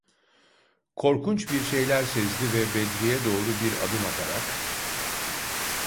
Korkunç bir şeyler sezdi ve Bedri’ye doğru bir adım atarak: